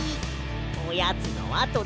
おやつのあとでな！